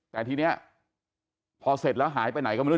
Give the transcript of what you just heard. แต่ทีนี้พอเสร็จแล้วหายไปไหนก็ไม่รู้